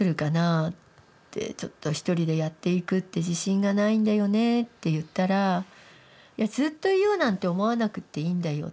「ちょっと一人でやっていくって自信がないんだよね」って言ったら「いやずっといようなんて思わなくっていいんだよ。